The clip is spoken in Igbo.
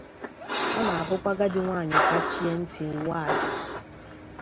Ọ na-abụkwa agadi nwaanyị kachie ntị wụọ aja